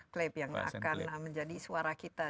klaip yang akan menjadi suara kita